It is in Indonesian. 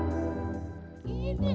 lo sudah lakuin